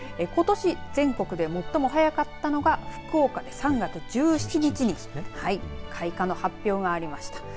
ことし全国で最も早かったのが福岡で、３月１７日に開花の発表がありました。